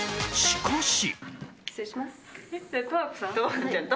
しかし。